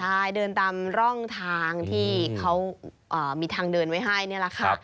ใช่เดินตามร่องทางที่เขามีทางเดินไว้ให้นี่แหละค่ะ